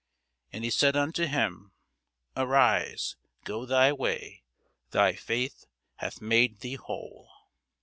And he said unto him, Arise, go thy way: thy faith hath made thee whole.